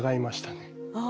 ああ。